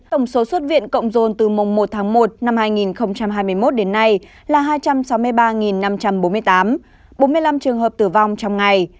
tổng số xuất viện cộng dồn từ mùng một tháng một năm hai nghìn hai mươi một đến nay là hai trăm sáu mươi ba năm trăm bốn mươi tám bốn mươi năm trường hợp tử vong trong ngày